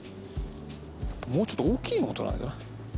もうちょっと大きいのを採らなきゃな。